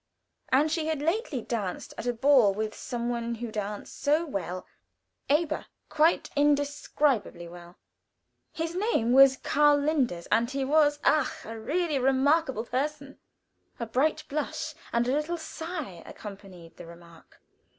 And she had lately danced at a ball with some one who danced so well aber, quite indescribably well. His name was Karl Linders, and he was, ach! really a remarkable person. A bright blush, and a little sigh accompanied the remark.